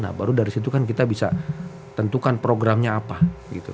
nah baru dari situ kan kita bisa tentukan programnya apa gitu